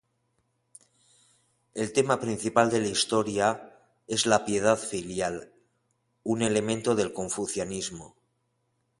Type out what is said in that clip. El tema principal de la historia es la piedad filial, un elemento del confucianismo.